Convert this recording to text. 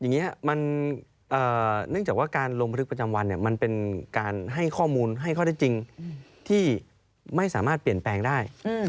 อย่างนี้มันเนื่องจากว่าการลงบันทึกประจำวันเนี่ยมันเป็นการให้ข้อมูลให้ข้อได้จริงที่ไม่สามารถเปลี่ยนแปลงได้